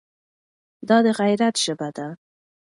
دا د غیرت ژبه ده.